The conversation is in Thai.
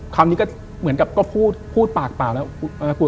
คำนี้ก็เหมือนกับก็พูดพูดปากเปล่าแล้ว